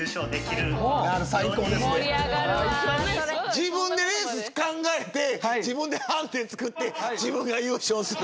自分でレース考えて自分でハンディつくって自分が優勝する。